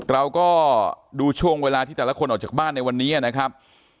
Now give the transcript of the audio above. เราก็ดูช่วงเวลาที่แต่ละคนออกจากบ้านในวันนี้นะครับ